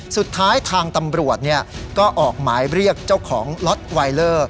สุดท้ายทางตำรวจก็ออกหมายเรียกเจ้าของล็อตไวเลอร์